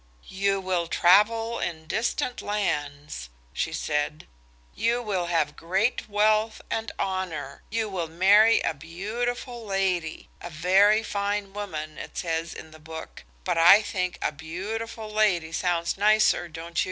"You will travel in distant lands," she said; "you will have great wealth and honour; you will marry a beautiful lady–a very fine woman, it says in the book, but I think a beautiful lady sounds nicer, don't you?"